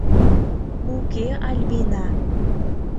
Уке, Альбина!